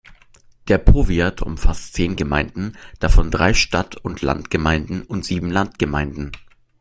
Der Powiat umfasst zehn Gemeinden, davon drei Stadt-und-Land-Gemeinden und sieben Landgemeinden.